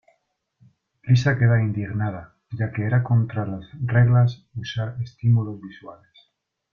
Lisa queda indignada, ya que era contra las reglas usar estímulos visuales.